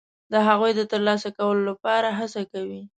د هغو د ترلاسه کولو لپاره هڅه کوي.